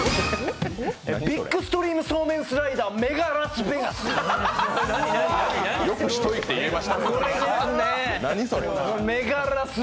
ビッグストリームそうめんスライダーメガラスベガス！